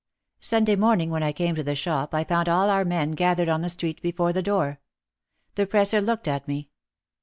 Sunday morning when I came to the shop I found all our men gathered on the street before the door. The presser looked at me.